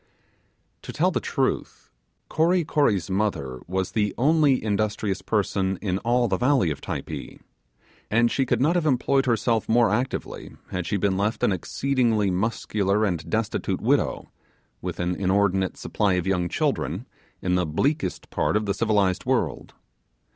To tell the truth, Kory Kory's mother was the only industrious person in all the valley of Typee; and she could not have employed herself more actively had she been left an exceedingly muscular and destitute widow, with an inordinate ate supply of young children, in the bleakest part of the civilized world.